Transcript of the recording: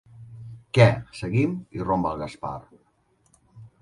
Què, seguim? —irromp el Gaspar—.